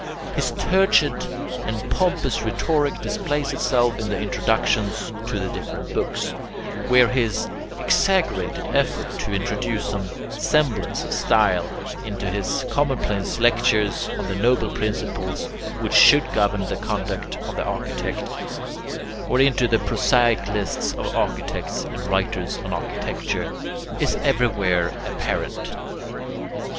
His turgid and pompous rhetoric displays itself in the introductions to the different books, where his exaggerated effort to introduce some semblance of style into his commonplace lectures on the noble principles which should govern the conduct of the architect, or into the prosaic lists of architects and writers on architecture, is everywhere apparent.